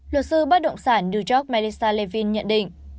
luật sư bất động sản new york melissa levin nhận định